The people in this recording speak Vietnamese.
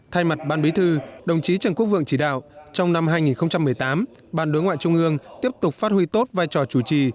thay mặt ban bí thư đồng chí trần quốc vượng chỉ đạo trong năm hai nghìn một mươi tám ban đối ngoại trung ương tiếp tục phát huy tốt vai trò chủ trì